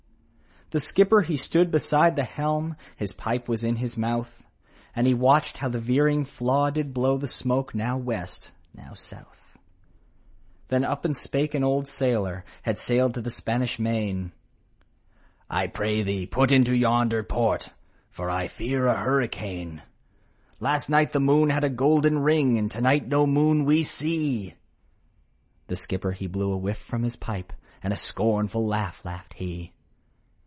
The skipper he stood beside the helm, His pipe was in his mouth, And he watched how the veering flaw did blow The smoke now West, now South. Then up and spoke an old Sailor, Had sailed the Spanish Main, *' I pray thee put into yonder port, For I fear a hurricane. " Last night the moon had a golden ring, And to night no moon we see !' The skipper, he blew a whiff from his pips, And a scornful laugh laughed he.